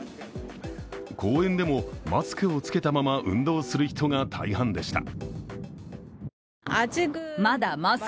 公園でもマスクを着けたまま運動する人が大半でした。